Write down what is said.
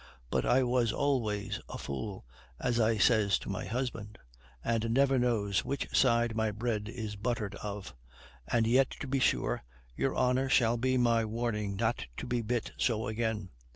But I was always a fool, as I says to my husband, and never knows which side my bread is buttered of. And yet, to be sure, your honor shall be my warning not to be bit so again.